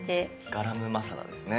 ガラムマサラですね。